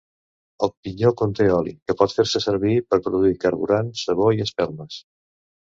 El pinyó conté oli, que pot fer-se servir per produir carburant, sabó i espelmes.